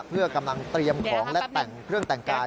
เพื่อกำลังเตรียมของและแต่งเครื่องแต่งกาย